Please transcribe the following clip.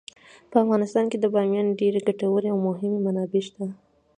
په افغانستان کې د بامیان ډیرې ګټورې او مهمې منابع شته.